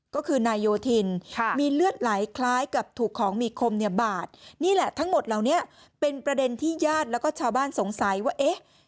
ก็คือนายโยธินมีเลือดไหลคล้ายกับถูกของมีคมเนี่ยบาดนี่แหละทั้งหมดเหล่านี้เป็นประเด็นที่ญาติแล้วก็ชาวบ้านสงสัยว่าเอ๊ะ